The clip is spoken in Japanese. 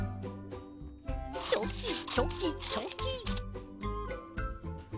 チョキチョキチョキ。